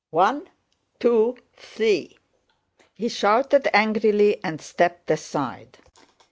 "O ne! T wo! Thwee!" he shouted angrily and stepped aside.